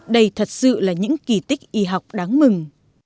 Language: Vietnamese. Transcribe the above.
đây thật sự là những kỳ tích y học đáng mừng